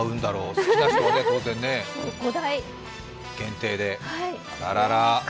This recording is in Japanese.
好きな人は当然ね５台限定で。